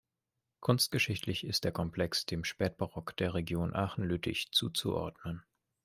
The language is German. Kunstgeschichtlich ist der Komplex dem Spätbarock der Region Aachen-Lüttich zuzuordnen.